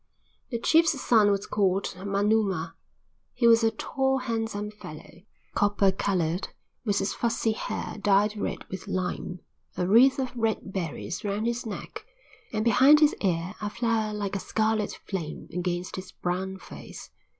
The chief's son was called Manuma. He was a tall, handsome fellow, copper coloured, with his fuzzy hair dyed red with lime, a wreath of red berries round his neck, and behind his ear a flower like a scarlet flame against his brown face.